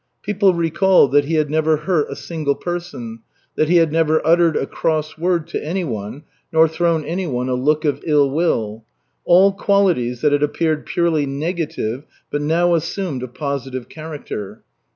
People recalled that he "had never hurt a single person," that "he had never uttered a cross word to anyone," nor thrown anyone a look of ill will all qualities that had appeared purely negative, but now assumed a positive character.